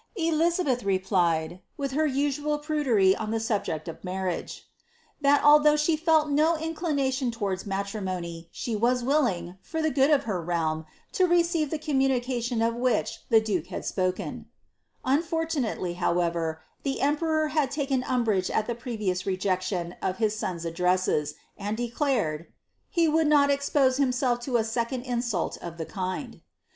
Elizabeth replied, wilii her usual prudery on the subject of mar riage, " thai allhougli shr' iVIi nn iiiilir)ation towards mattiiiinny, shi was willing, for the good of her realm, lo receive Ihe communicatioi of which Ihe duke had spoken ;" unfortunately, however, ihe emperoi had taken umbrage at the previous rejection of his son's addresses, an^ declared " he would not expose himself to a second insult of the kind."'